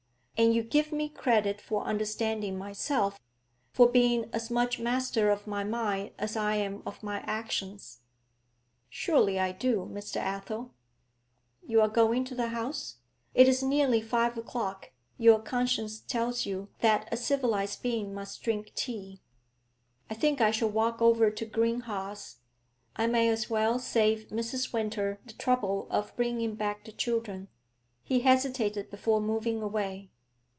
'And you give me credit for understanding myself, for being as much master of my mind as I am of my actions?' 'Surely I do, Mr. Athel.' 'You are going to the house? It is nearly five o'clock; your conscience tells you that a civilised being must drink tea. I think I shall walk over to Greenhaws; I may as well save Mrs. Winter the trouble of bringing back the children.' He hesitated before moving away.